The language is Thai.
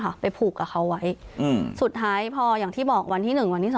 ค่ะไปผูกกับเขาไว้สุดท้ายพออย่างที่บอกวันที่๑วันที่๒